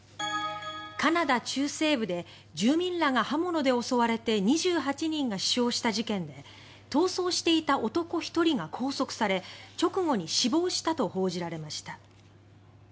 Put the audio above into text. カナダ中西部で住民らが刃物で襲われて２８人が死傷した事件で逃走していた男１人が拘束され直後に死亡したと報じられました。